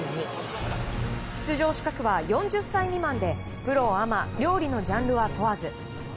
出場資格は４０歳未満でプロ・アマ料理のジャンルは問わず。